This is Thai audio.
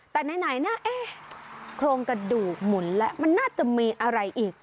แต่ไหนนะเอ๊ะโครงกระดูกหมุนแล้วมันน่าจะมีอะไรอีก